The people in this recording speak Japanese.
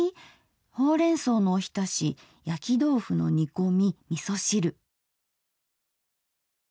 ほうれん草のおひたしやきどうふの煮こみみそ汁。